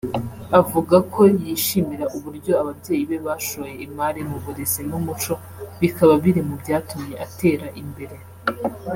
Avuga ko yishimira uburyo ababyeyi be bashoye imari mu burezi n’umuco bikaba biri mu byatumye atera imbere